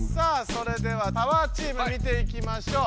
それではパワーチーム見ていきましょう。